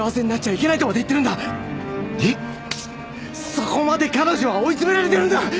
そこまで彼女は追い詰められてるんだ！